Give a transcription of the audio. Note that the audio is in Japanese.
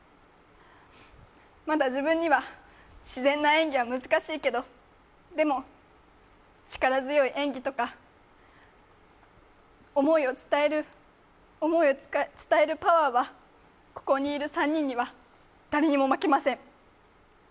まだ自分には自然な演技は難しいけど、でも、力強い演技とか思いを伝えるパワーはここにいる３人には誰にも負けません。